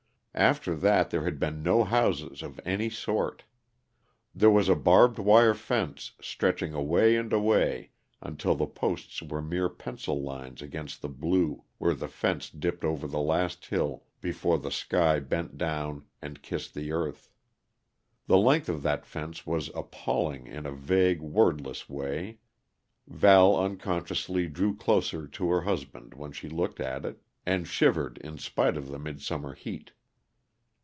After that there had been no houses of any sort. There was a barbed wire fence stretching away and away until the posts were mere pencil lines against the blue, where the fence dipped over the last hill before the sky bent down and kissed the earth. The length of that fence was appalling in a vague, wordless way, Val unconsciously drew closer to her husband when she looked at it, and shivered in spite of the midsummer heat.